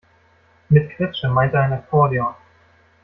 Mit Quetsche meint er ein Akkordeon.